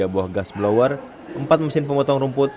tiga buah gas blower empat mesin pemotong rumput